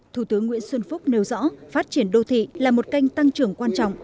thủ tướng nguyễn xuân phúc nêu rõ phát triển đô thị là một kênh tăng trưởng quan trọng